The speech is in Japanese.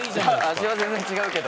味は全然違うけど。